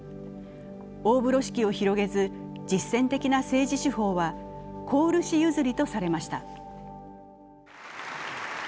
大風呂敷を広げず、実践的な政治手法はコール氏譲りとされました。